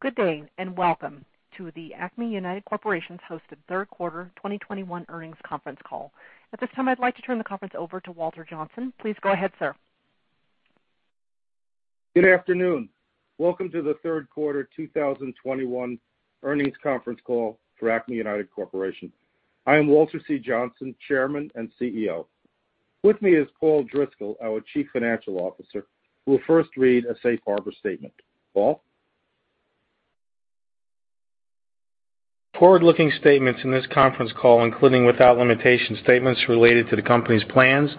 Good day, and welcome to the Acme United Corporation's hosted third quarter 2021 earnings conference call. At this time, I'd like to turn the conference over to Walter C. Johnsen. Please go ahead, sir. Good afternoon. Welcome to the third quarter 2021 earnings conference call for Acme United Corporation. I am Walter C. Johnsen, Chairman and CEO. With me is Paul Driscoll, our Chief Financial Officer, who will first read a safe harbor statement. Paul? Forward-looking statements in this conference call, including without limitation statements related to the company's plans,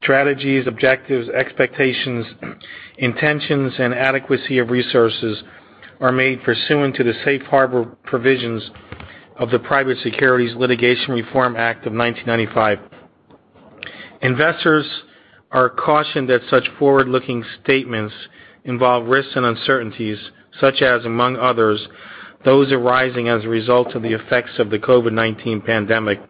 strategies, objectives, expectations, intentions, and adequacy of resources are made pursuant to the safe harbor provisions of the Private Securities Litigation Reform Act of 1995. Investors are cautioned that such forward-looking statements involve risks and uncertainties such as, among others, those arising as a result of the effects of the COVID-19 pandemic,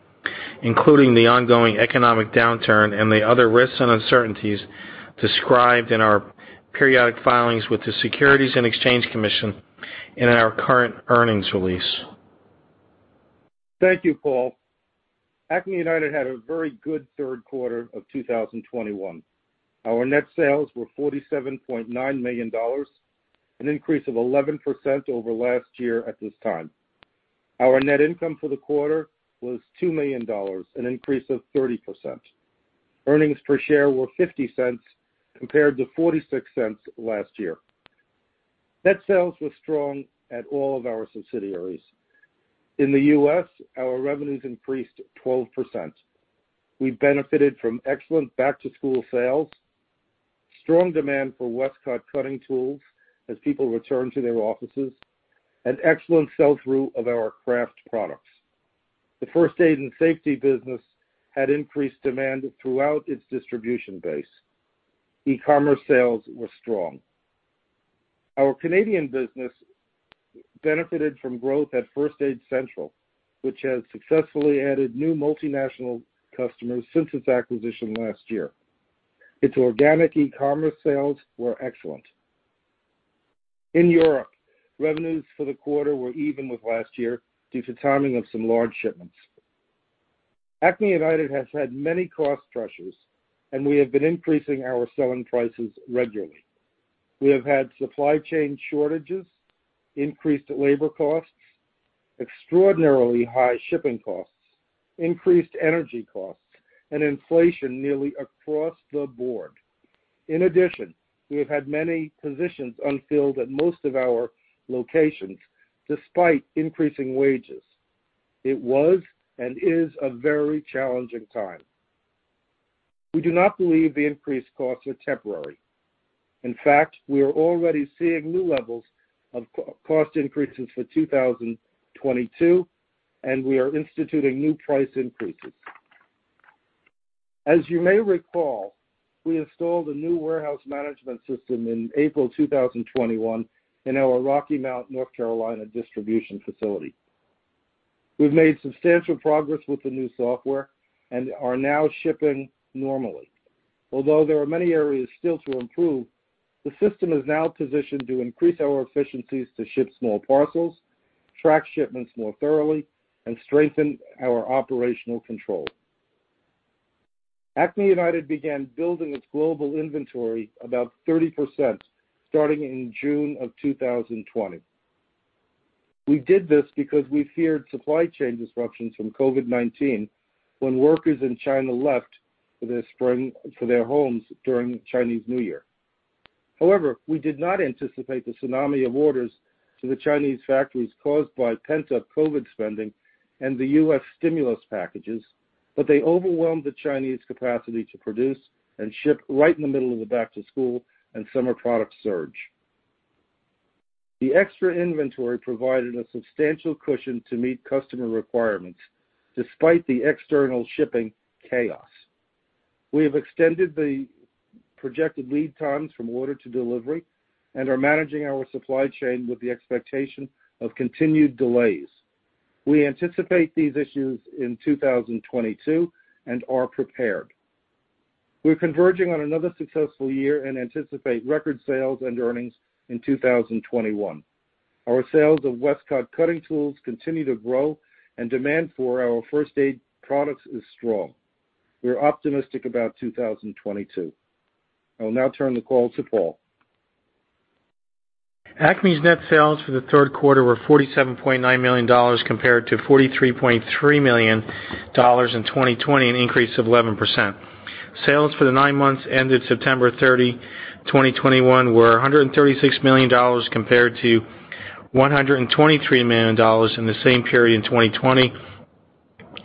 including the ongoing economic downturn and the other risks and uncertainties described in our periodic filings with the Securities and Exchange Commission and in our current earnings release. Thank you, Paul. Acme United had a very good third quarter of 2021. Our net sales were $47.9 million, an increase of 11% over last year at this time. Our net income for the quarter was $2 million, an increase of 30%. Earnings per share were $0.50 compared to $0.46 last year. Net sales were strong at all of our subsidiaries. In the U.S., our revenues increased 12%. We benefited from excellent back-to-school sales, strong demand for Westcott cutting tools as people return to their offices, and excellent sell-through of our craft products. The first aid and safety business had increased demand throughout its distribution base. E-commerce sales were strong. Our Canadian business benefited from growth at First Aid Central, which has successfully added new multinational customers since its acquisition last year. Its organic e-commerce sales were excellent. In Europe, revenues for the quarter were even with last year due to timing of some large shipments. Acme United has had many cost pressures, and we have been increasing our selling prices regularly. We have had supply chain shortages, increased labor costs, extraordinarily high shipping costs, increased energy costs, and inflation nearly across the board. In addition, we have had many positions unfilled at most of our locations, despite increasing wages. It was and is a very challenging time. We do not believe the increased costs are temporary. In fact, we are already seeing new levels of cost increases for 2022, and we are instituting new price increases. As you may recall, we installed a new warehouse management system in April 2021 in our Rocky Mount, North Carolina, distribution facility. We've made substantial progress with the new software and are now shipping normally. Although there are many areas still to improve, the system is now positioned to increase our efficiencies to ship small parcels, track shipments more thoroughly, and strengthen our operational control. Acme United began building its global inventory about 30% starting in June of 2020. We did this because we feared supply chain disruptions from COVID-19 when workers in China left for their homes during Chinese New Year. We did not anticipate the tsunami of orders to the Chinese factories caused by pent-up COVID spending and the U.S. stimulus packages, but they overwhelmed the Chinese capacity to produce and ship right in the middle of the back-to-school and summer product surge. The extra inventory provided a substantial cushion to meet customer requirements despite the external shipping chaos. We have extended the projected lead times from order to delivery and are managing our supply chain with the expectation of continued delays. We anticipate these issues in 2022 and are prepared. We're converging on another successful year and anticipate record sales and earnings in 2021. Our sales of Westcott cutting tools continue to grow, and demand for our first aid products is strong. We're optimistic about 2022. I will now turn the call to Paul. Acme's net sales for the third quarter were $47.9 million compared to $43.3 million in 2020, an increase of 11%. Sales for the nine months ended September 30, 2021, were $136 million compared to $123 million in the same period in 2020,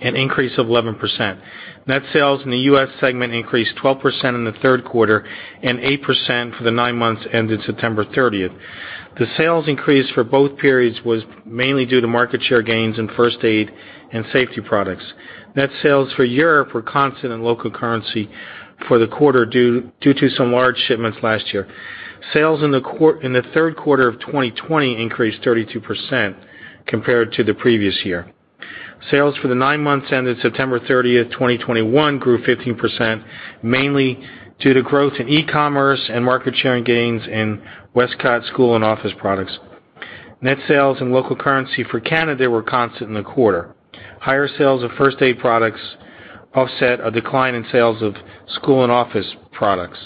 an increase of 11%. Net sales in the U.S. segment increased 12% in the third quarter and 8% for the nine months ended September 30th. The sales increase for both periods was mainly due to market share gains in first aid and safety products. Net sales for Europe were constant in local currency for the quarter due to some large shipments last year. Sales in the third quarter of 2020 increased 32% compared to the previous year. Sales for the nine months ended September 30th, 2021 grew 15%, mainly due to growth in e-commerce and market share and gains in Westcott school and office Products. Net sales and local currency for Canada were constant in the quarter. Higher sales of first aid products offset a decline in sales of school and office products.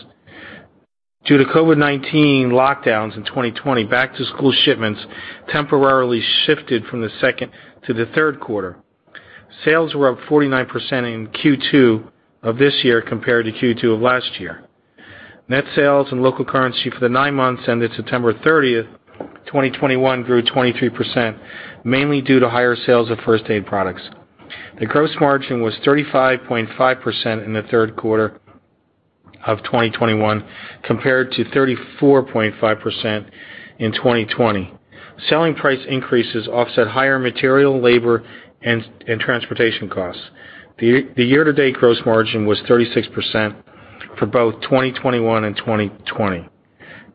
Due to COVID-19 lockdowns in 2020, back-to-school shipments temporarily shifted from the second to the third quarter. Sales were up 49% in Q2 of this year compared to Q2 of last year. Net sales in local currency for the nine months ended September 30th, 2021 grew 23%, mainly due to higher sales of first aid products. The gross margin was 35.5% in the third quarter of 2021 compared to 34.5% in 2020. Selling price increases offset higher material, labor, and transportation costs. The year-to-date gross margin was 36% for both 2021 and 2020.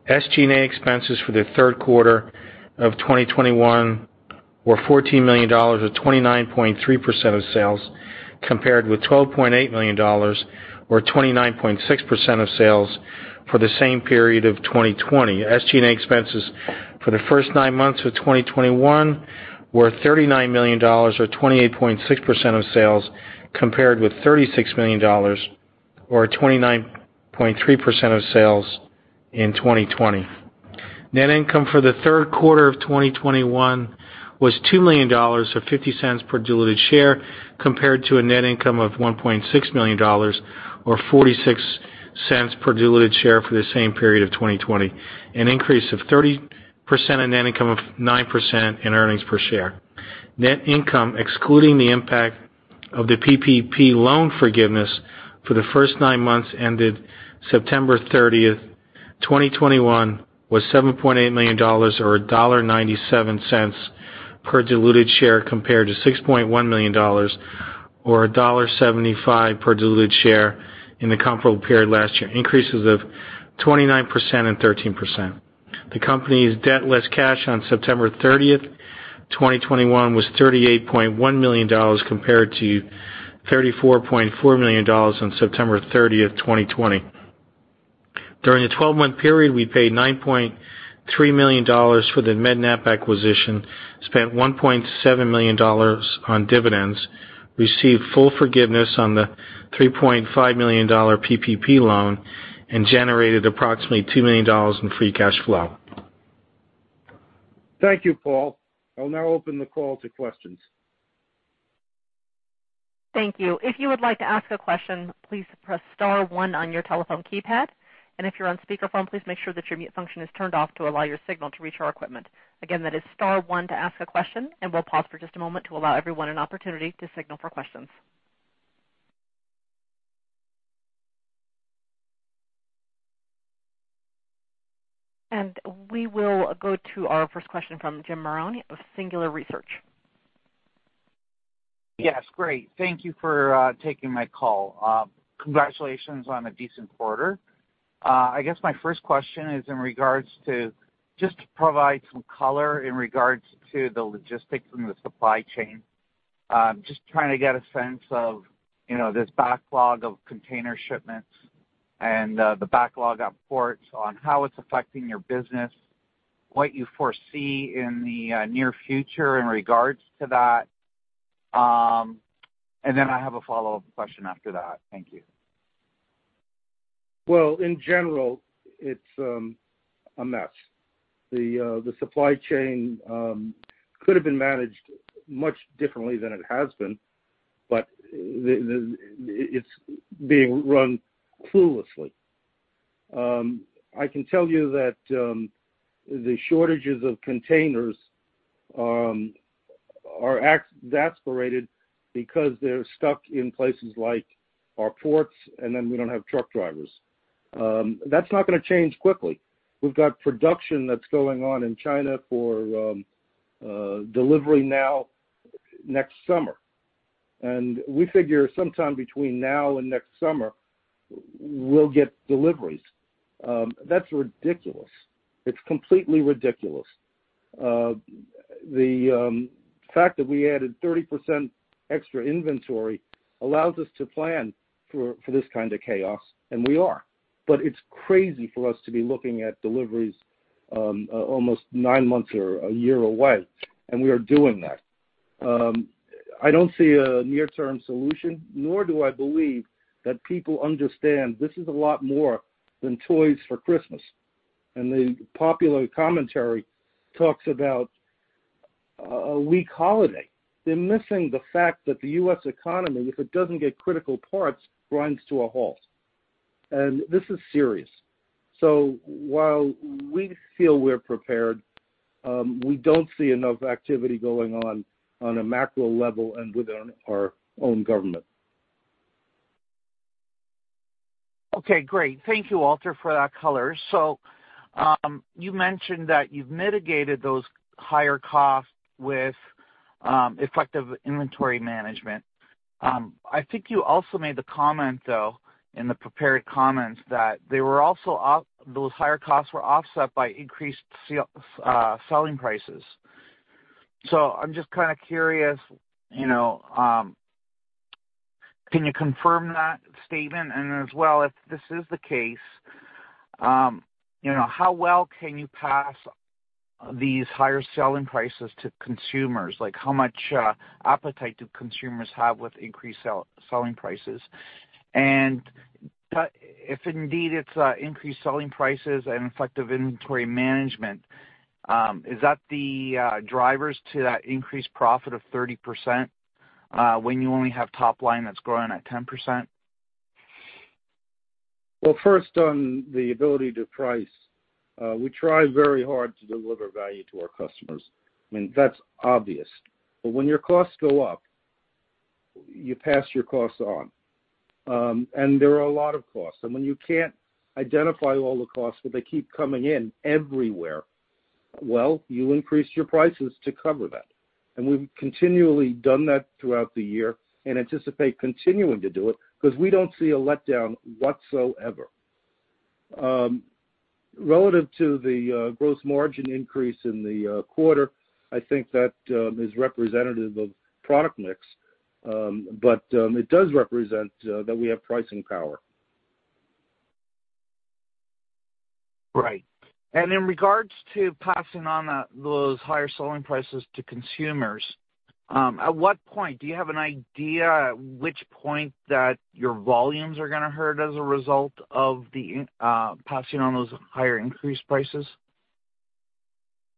SG&A expenses for the third quarter of 2021 were $14 million, or 29.3% of sales, compared with $12.8 million, or 29.6% of sales, for the same period of 2020. SG&A expenses for the first nine months of 2021 were $39 million, or 28.6% of sales, compared with $36 million, or 29.3% of sales, in 2020. Net income for the third quarter of 2021 was $2 million, or $0.50 per diluted share, compared to a net income of $1.6 million, or $0.46 per diluted share for the same period of 2020, an increase of 30% and net income of 9% in earnings per share. Net income, excluding the impact of the PPP loan forgiveness for the first nine months ended September 30th, 2021, was $7.8 million, or $1.97 per diluted share, compared to $6.1 million, or $1.75 per diluted share, in the comparable period last year, increases of 29% and 13%. The company's debt less cash on September 30th, 2021, was $38.1 million, compared to $34.4 million on September 30th, 2020. During the 12-month period, we paid $9.3 million for the Med-Nap acquisition, spent $1.7 million on dividends, received full forgiveness on the $3.5 million PPP loan, and generated approximately $2 million in free cash flow. Thank you, Paul. I'll now open the call to questions. Thank you. If you would like to ask a question, please press star one on your telephone keypad. If you're on speakerphone, please make sure that your mute function is turned off to allow your signal to reach our equipment. Again, that is star one to ask a question, and we'll pause for just a moment to allow everyone an opportunity to signal for questions. We will go to our first question from Jim Marrone of Singular Research. Yes. Great. Thank you for taking my call. Congratulations on a decent quarter. I guess my first question is in regards to, just to provide some color in regards to the logistics and the supply chain. Just trying to get a sense of this backlog of container shipments and the backlog at ports on how it's affecting your business, what you foresee in the near future in regards to that. I have a follow-up question after that. Thank you. Well, in general, it's a mess. The supply chain could have been managed much differently than it has been, but it's being run cluelessly. I can tell you that the shortages of containers are exacerbated because they're stuck in places like our ports, and then we don't have truck drivers. That's not going to change quickly. We've got production that's going on in China for delivery now next summer, and we figure sometime between now and next summer, we'll get deliveries. That's ridiculous. It's completely ridiculous. The fact that we added 30% extra inventory allows us to plan for this kind of chaos, and we are. It's crazy for us to be looking at deliveries almost nine months or one year away, and we are doing that. I don't see a near-term solution, nor do I believe that people understand this is a lot more than toys for Christmas. The popular commentary talks about a weak holiday. They're missing the fact that the U.S. economy, if it doesn't get critical parts, grinds to a halt. This is serious. While we feel we're prepared, we don't see enough activity going on a macro level and within our own government. Okay, great. Thank you, Walter, for that color. You mentioned that you've mitigated those higher costs with effective inventory management. I think you also made the comment, though, in the prepared comments, that those higher costs were offset by increased selling prices. I'm just kind of curious, can you confirm that statement? As well, if this is the case, how well can you pass these higher selling prices to consumers? How much appetite do consumers have with increased selling prices? If indeed it's increased selling prices and effective inventory management, is that the drivers to that increased profit of 30% when you only have top line that's growing at 10%? Well, first on the ability to price. We try very hard to deliver value to our customers. I mean, that's obvious. When your costs go up, you pass your costs on. There are a lot of costs. When you can't identify all the costs, but they keep coming in everywhere, well, you increase your prices to cover that. We've continually done that throughout the year and anticipate continuing to do it because we don't see a letdown whatsoever. Relative to the gross margin increase in the quarter, I think that is representative of product mix. It does represent that we have pricing power. Right. In regards to passing on those higher selling prices to consumers, at what point, do you have an idea at which point that your volumes are going to hurt as a result of the passing on those higher increased prices?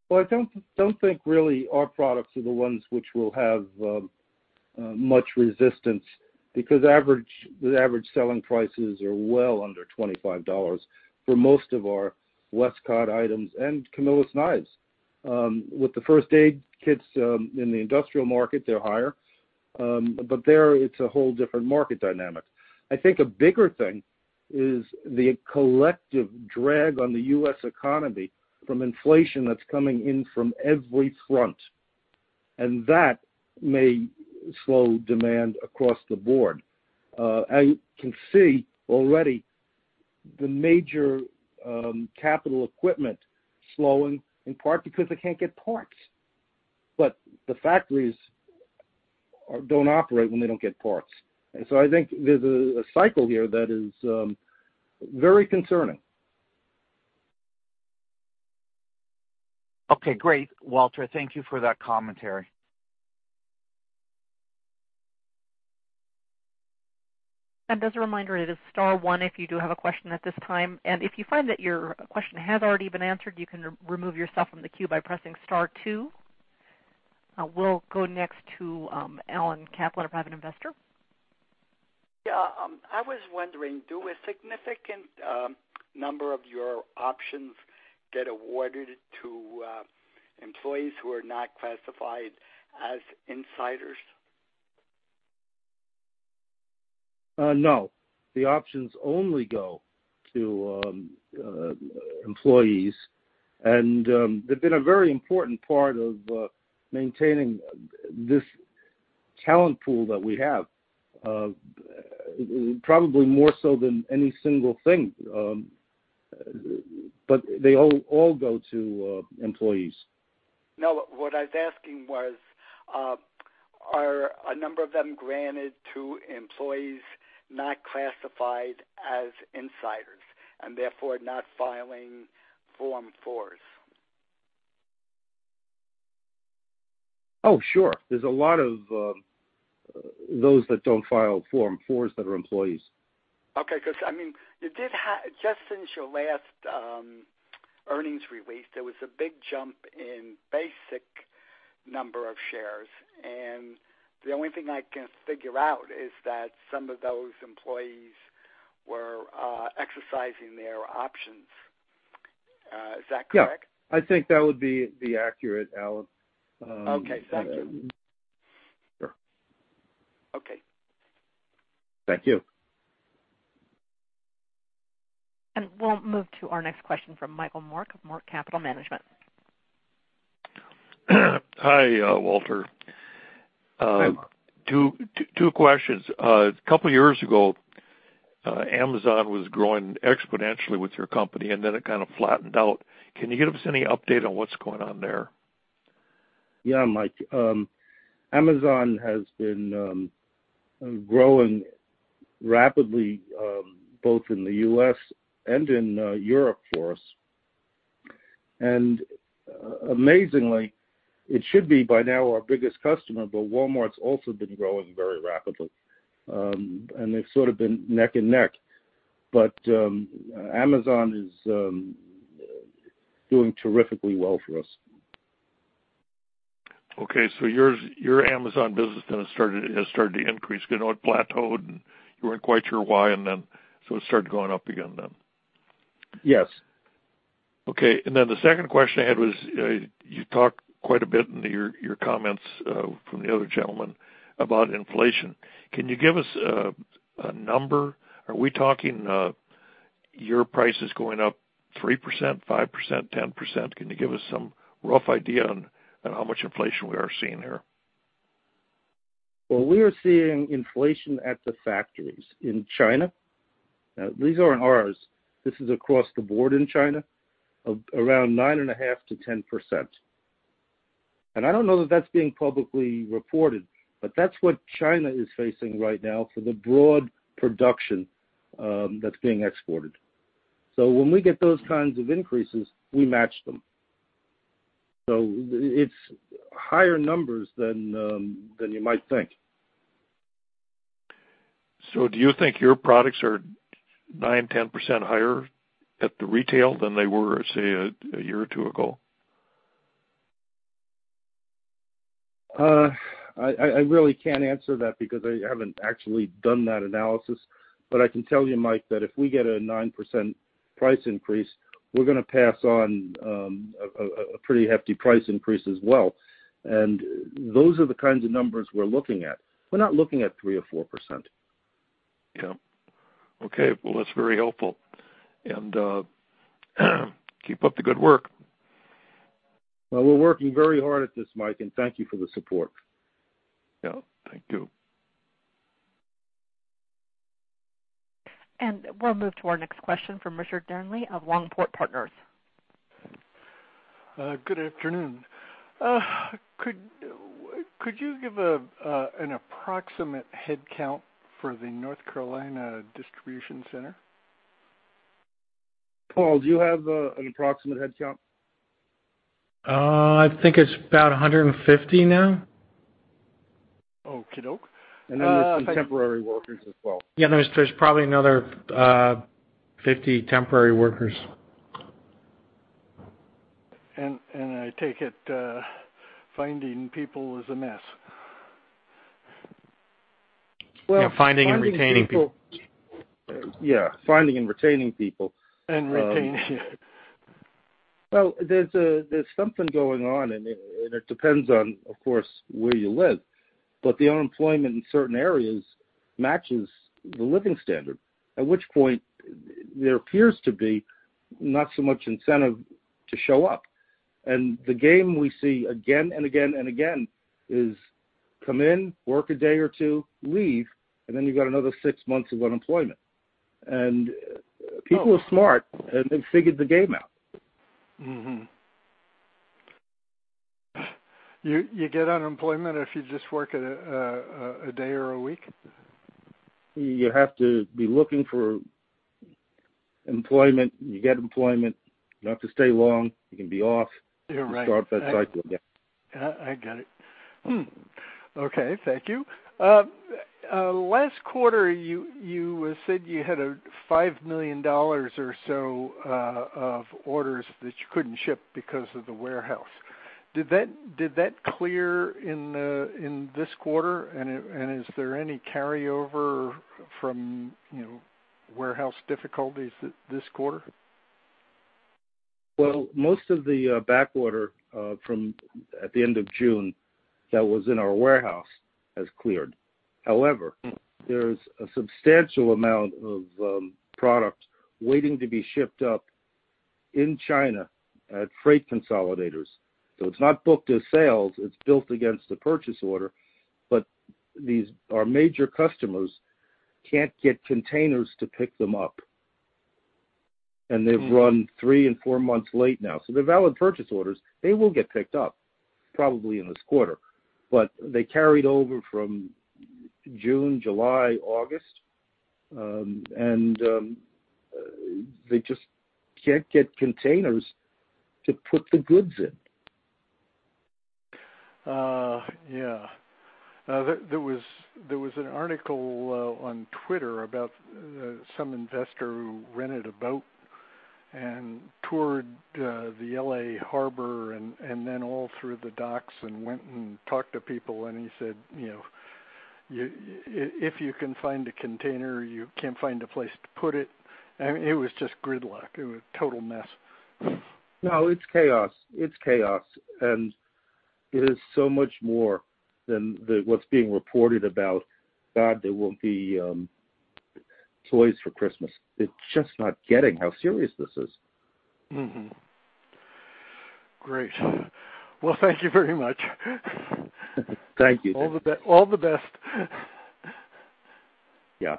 Well, I don't think really our products are the ones which will have much resistance because the average selling prices are well under $25 for most of our Westcott items and Camillus knives. With the first aid kits in the industrial market, they're higher. There, it's a whole different market dynamic. I think a bigger thing is the collective drag on the U.S. economy from inflation that's coming in from every front, and that may slow demand across the board. I can see already the major capital equipment slowing, in part because they can't get parts. The factories don't operate when they don't get parts. I think there's a cycle here that is very concerning. Okay, great, Walter. Thank you for that commentary. As a reminder, it is star 1 if you do have a question at this time. If you find that your question has already been answered, you can remove yourself from the queue by pressing star two. We'll go next to Alan Kaplan of Private Investor. Yeah. I was wondering, do a significant number of your options get awarded to employees who are not classified as insiders? No. The options only go to employees, and they've been a very important part of maintaining this talent pool that we have, probably more so than any single thing. They all go to employees. No, what I was asking was, are a number of them granted to employees not classified as insiders and therefore not filing Form 4's? Oh, sure. There's a lot of those that don't file Form 4s that are employees. Okay, just since your last earnings release, there was a big jump in basic number of shares, and the only thing I can figure out is that some of those employees were exercising their options. Is that correct? Yeah. I think that would be accurate, Alan. Okay. Thank you. Sure. Okay. Thank you. We'll move to our next question from Michael Mork of Mork Capital Management. Hi, Walter. Hi, Michael. Two questions. A couple of years ago, Amazon was growing exponentially with your company, and then it kind of flattened out. Can you give us any update on what's going on there? Yeah, Mike. Amazon has been growing rapidly, both in the U.S. and in Europe for us. Amazingly, it should be by now our biggest customer, but Walmart's also been growing very rapidly. They've sort of been neck and neck. Amazon is doing terrifically well for us. Okay. Your Amazon business then has started to increase. It plateaued, and you weren't quite sure why, and then so it started going up again then. Yes. Okay. The second question I had was, you talked quite a bit in your comments from the other gentleman about inflation. Can you give us a number? Are we talking your price is going up 3%, 5%, 10%? Can you give us some rough idea on how much inflation we are seeing here? We are seeing inflation at the factories in China. These aren't ours, this is across the board in China, around 9.5%-10%. I don't know that that's being publicly reported, but that's what China is facing right now for the broad production that's being exported. When we get those kinds of increases, we match them. It's higher numbers than you might think. Do you think your products are 9%, 10% higher at the retail than they were, say, a year or two ago? I really can't answer that because I haven't actually done that analysis. I can tell you, Peter, that if we get a 9% price increase, we're going to pass on a pretty hefty price increase as well. Those are the kinds of numbers we're looking at. We're not looking at 3% or 4%. Yeah. Okay. Well, that's very helpful. Keep up the good work. Well, we're working very hard at this, Mike, and thank you for the support. Yeah. Thank you. We'll move to our next question from Richard Dearnley of Longport Partners. Good afternoon. Could you give an approximate headcount for the North Carolina distribution center? Paul, do you have an approximate headcount? I think it's about $150 now. Okey-doke. There's some temporary workers as well. Yeah. There's probably another 50 temporary workers. I take it finding people is a mess. Yeah, finding and retaining people. Yeah, finding and retaining people. Retaining. Well, there's something going on, and it depends on, of course, where you live, but the unemployment in certain areas matches the living standard. At which point, there appears to be not so much incentive to show up. The game we see again, and again, and again is come in, work a day or two, leave, and then you've got another six months of unemployment. People are smart, and they've figured the game out. You get unemployment if you just work a day or a week? You have to be looking for employment. You get employment, you don't have to stay long, you can be off. Yeah, right. Start that cycle again. I got it. Okay. Thank you. Last quarter, you said you had a $5 million or so of orders that you couldn't ship because of the warehouse. Did that clear in this quarter? Is there any carryover from warehouse difficulties this quarter? Well, most of the back order from at the end of June that was in our warehouse has cleared. there's a substantial amount of product waiting to be shipped up in China at freight consolidators. It's not booked as sales, it's built against the purchase order, but these, our major customers, can't get containers to pick them up. They've run three and four months late now. They're valid purchase orders. They will get picked up, probably in this quarter. They carried over from June, July, August, and they just can't get containers to put the goods in. Yeah. There was an article on Twitter about some investor who rented a boat and toured the L.A. Harbor and then all through the docks and went and talked to people, and he said, "If you can find a container, you can't find a place to put it." I mean, it was just gridlock. It was a total mess. No, it's chaos. It's chaos. It is so much more than what's being reported about, God, there won't be toys for Christmas. It's just not getting how serious this is. Great. Well, thank you very much. Thank you. All the best. Yeah.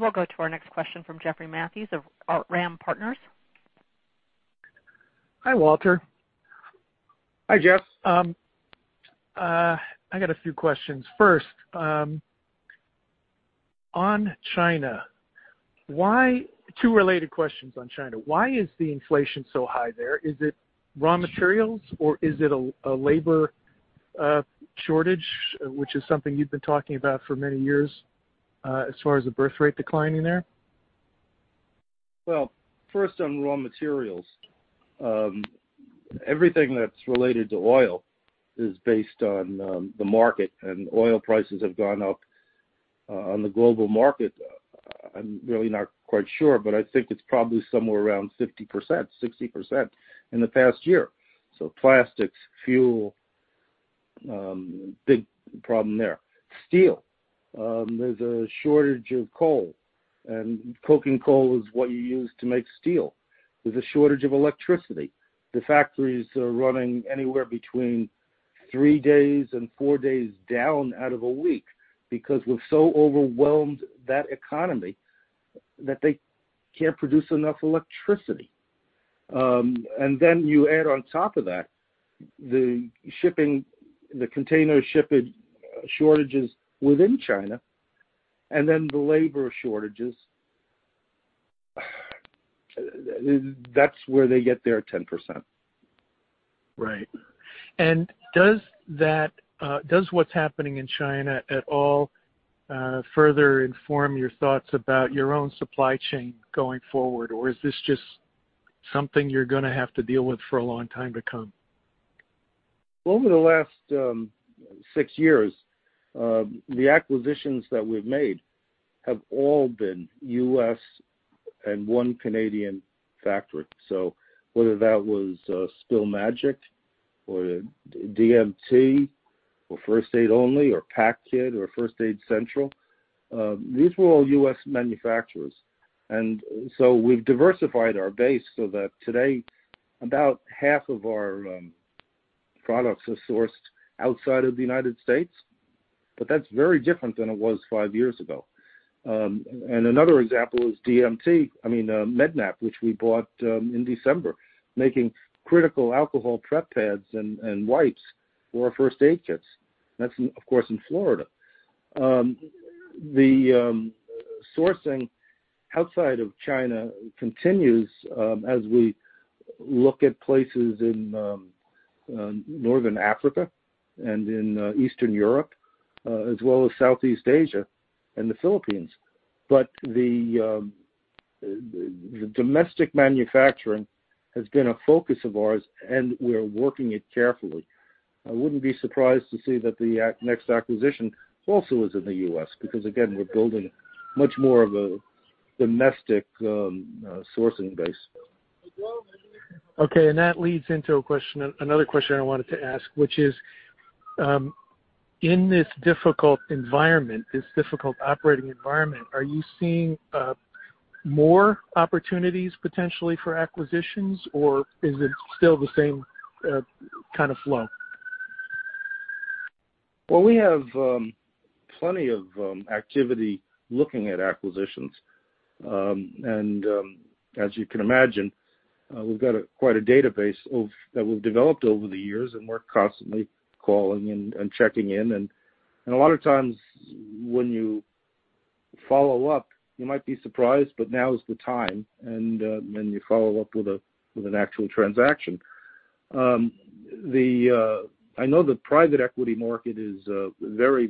We'll go to our next question from Jeff Matthews of Ram Partners. Hi, Walter. Hi, Jeff. I got a few questions. First, on China. Two related questions on China. Why is the inflation so high there? Is it raw materials, or is it a labor shortage, which is something you've been talking about for many years, as far as the birth rate declining there? Well, first on raw materials. Everything that's related to oil is based on the market. Oil prices have gone up on the global market. I'm really not quite sure. I think it's probably somewhere around 50%-60% in the past year. Plastics, fuel. Big problem there. Steel. There's a shortage of coal. Coking coal is what you use to make steel. There's a shortage of electricity. The factories are running anywhere between three days and four days down out of a week because we've so overwhelmed that economy that they can't produce enough electricity. You add on top of that, the container shipping shortages within China and then the labor shortages. That's where they get their 10%. Right. Does what's happening in China at all further inform your thoughts about your own supply chain going forward? Or is this just something you're going to have to deal with for a long time to come? Over the last six years, the acquisitions that we've made have all been U.S. and one Canadian factory. Whether that was Spill Magic or DMT or First Aid Only or Pac-Kit or First Aid Central, these were all U.S. manufacturers. We've diversified our base so that today, about half of our products are sourced outside of the United States, but that's very different than it was five years ago. Another example is Med-Nap, which we bought in December, making critical alcohol prep pads and wipes for first aid kits. That's, of course, in Florida. The sourcing outside of China continues as we look at places in northern Africa and in Eastern Europe, as well as Southeast Asia and the Philippines. The domestic manufacturing has been a focus of ours, and we're working it carefully. I wouldn't be surprised to see that the next acquisition also is in the U.S., because again, we're building much more of a domestic sourcing base. Okay, that leads into another question I wanted to ask, which is, in this difficult operating environment, are you seeing more opportunities potentially for acquisitions, or is it still the same kind of flow? Well, we have plenty of activity looking at acquisitions. As you can imagine, we've got quite a database that we've developed over the years, and we're constantly calling and checking in. A lot of times when you follow up, you might be surprised, but now is the time, and then you follow up with an actual transaction. I know the private equity market is very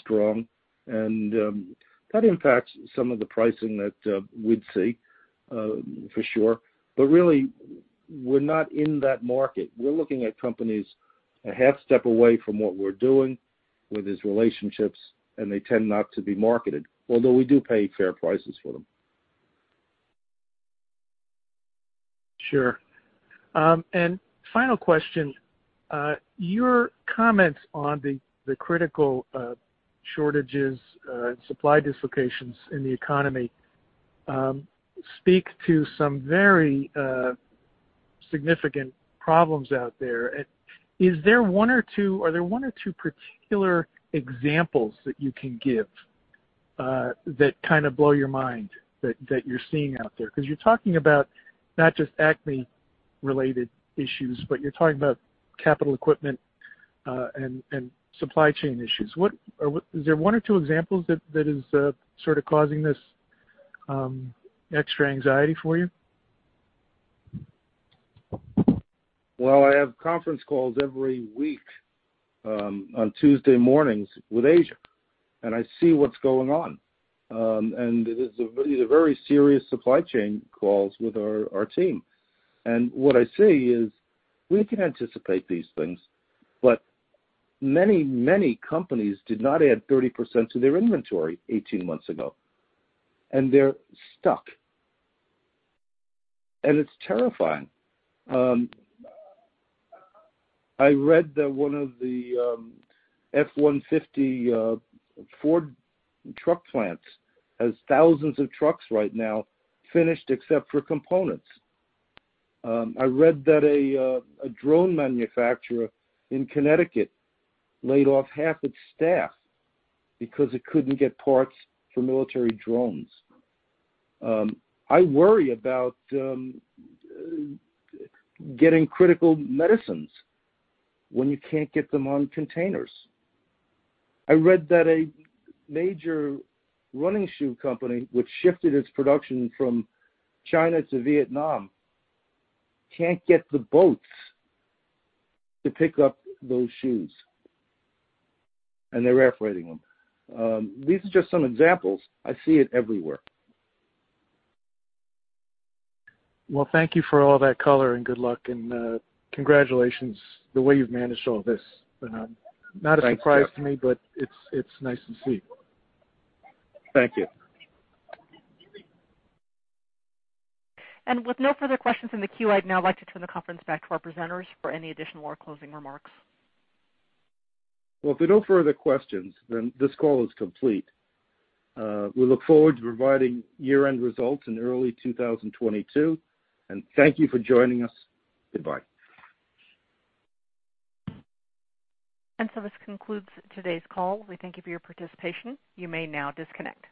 strong, and that impacts some of the pricing that we'd see for sure. Really, we're not in that market. We're looking at companies a half-step away from what we're doing with these relationships, and they tend not to be marketed, although we do pay fair prices for them. Sure. Final question. Your comments on the critical shortages, supply dislocations in the economy, speak to some very significant problems out there. Are there one or two particular examples that you can give that kind of blow your mind, that you're seeing out there? Because you're talking about not just Acme-related issues, but you're talking about capital equipment and supply chain issues. Is there one or two examples that is sort of causing this extra anxiety for you? Well, I have conference calls every week on Tuesday mornings with Asia, and I see what's going on. These are very serious supply chain calls with our team. What I say is, we can anticipate these things, but many companies did not add 30% to their inventory 18 months ago, and they're stuck, and it's terrifying. I read that one of the F-150 Ford truck plants has thousands of trucks right now finished except for components. I read that a drone manufacturer in Connecticut laid off half its staff because it couldn't get parts for military drones. I worry about getting critical medicines when you can't get them on containers. I read that a major running shoe company, which shifted its production from China to Vietnam, can't get the boats to pick up those shoes, and they're air freighting them. These are just some examples. I see it everywhere. Well, thank you for all that color and good luck, and congratulations the way you've managed all this. Thank you. Not a surprise to me, but it's nice to see. Thank you. With no further questions in the queue, I'd now like to turn the conference back to our presenters for any additional or closing remarks. Well, if there are no further questions, then this call is complete. We look forward to providing year-end results in early 2022. Thank you for joining us. Goodbye. This concludes today's call. We thank you for your participation. You may now disconnect.